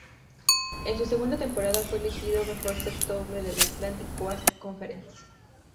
En su segunda temporada fue elegido mejor sexto hombre de la Atlantic Coast Conference.